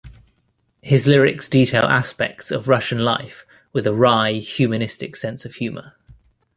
His lyrics detail aspects of Russian life with a wry, humanistic sense of humor.